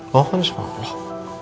mohon sama allah